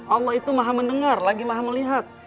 allah itu maha mendengar lagi maha melihat